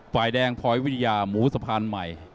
ฝ่ายแดงพลอยวิทยาหมูสะพานใหม่